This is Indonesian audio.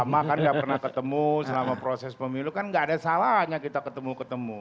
sama kan nggak pernah ketemu selama proses pemilu kan gak ada salahnya kita ketemu ketemu